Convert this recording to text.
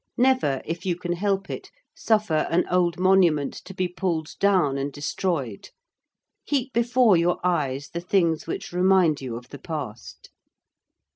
Never, if you can help it, suffer an old monument to be pulled down and destroyed. Keep before your eyes the things which remind you of the past.